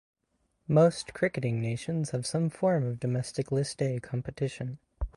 Most cricketing nations have some form of domestic List A competition.